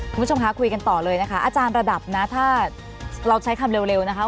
คุณผู้ชมคะคุยกันต่อเลยนะคะอาจารย์ระดับนะถ้าเราใช้คำเร็วนะคะ